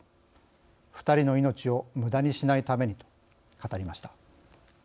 ２人の命をむだにしないために」と語りました。